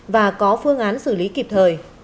và có phương án xử lý kịp thời